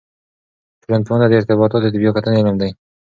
ټولنپوهنه د ارتباطاتو د بیا کتنې علم دی.